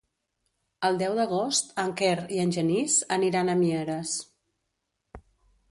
El deu d'agost en Quer i en Genís aniran a Mieres.